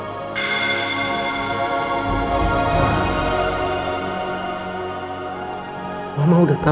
karena elsa bersikap sedih